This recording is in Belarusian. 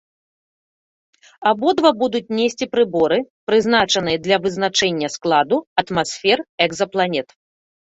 Абодва будуць несці прыборы, прызначаныя для вызначэння складу атмасфер экзапланет.